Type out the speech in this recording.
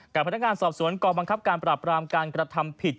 พนักงานสอบสวนกองบังคับการปราบรามการกระทำผิด